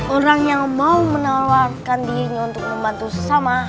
orang yang mau menawarkan dirinya untuk membantu sesama